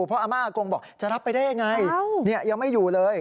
เพราะอาม่าอากงบอกจะรับไปได้ยังไงยังไม่อยู่เลย